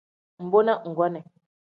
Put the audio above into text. Mbo na nggonii.